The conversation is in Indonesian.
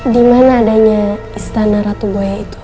di mana adanya istana ratu buaya itu